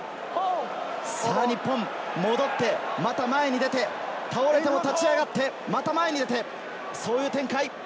日本戻って、また前に出て、倒れても立ち上がって、また前に出て、そういう展開。